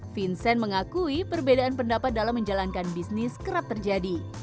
vincent mengakui perbedaan pendapat dalam menjalankan bisnis kerap terjadi